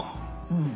うん。